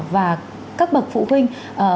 và các bậc phụ huynh